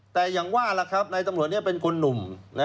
แต่อย่างว่าล่ะครับนายตำรวจนี้เป็นคนหนุ่ม